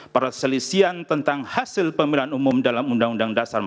perselisian tentang hasil pemilihan umum dalam uud empat puluh lima